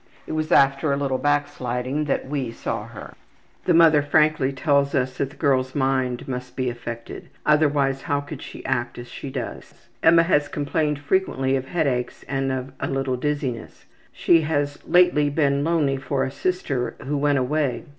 It was after a little backsliding that we saw her. The mother frankly tells us that the girl's mind must be affected; otherwise how could she act as she does. Emma has complained frequently of headaches and of a little dizziness. She has lately been lonely for a sister who went away.